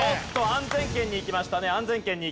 安全圏にいきました。